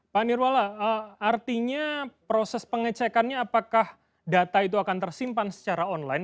pak nirwala artinya proses pengecekannya apakah data itu akan tersimpan secara online